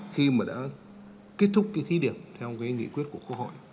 khi mà đã kết thúc cái thí điểm theo cái nghị quyết của quốc hội